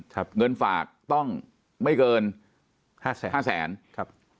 เกิน๗๐บาทงานฝากต้องไม่เกิน๕แสนบาท